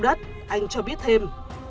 lễ chống chống